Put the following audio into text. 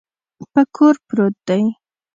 په کور پروت دی.